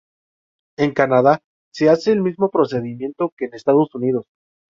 En Canadá, se hace el mismo procedimiento que en Estados Unidos.